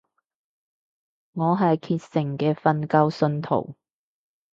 我係虔誠嘅瞓覺信徒